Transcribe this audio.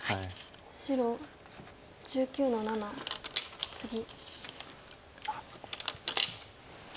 白１９の七ツギ。